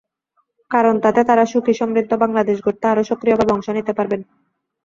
কারণ, তাতে তাঁরা সুখী সমৃদ্ধ বাংলাদেশ গড়তে আরও সক্রিয়ভাবে অংশ নিতে পারবেন।